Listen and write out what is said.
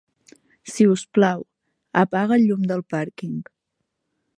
Si us plau, apaga el llum del pàrquing.